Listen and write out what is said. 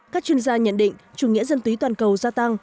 các chuyên gia nhận định chủ nghĩa dân túy toàn cầu gia tăng